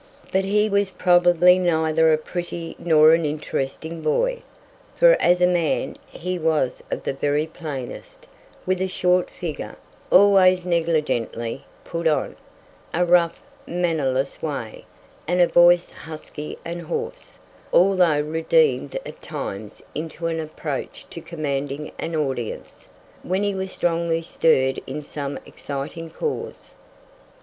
But he was probably neither a pretty nor an interesting boy; for as a man he was of the very plainest, with a short figure, always negligently "put on," a rough, mannerless way, and a voice husky and hoarse, although redeemed at times into an approach to commanding an audience, when he was strongly stirred in some exciting cause.